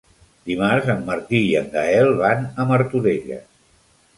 Dimarts en Martí i en Gaël van a Martorelles.